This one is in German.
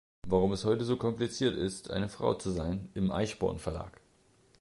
Warum es heute so kompliziert ist, eine Frau zu sein" im Eichborn Verlag.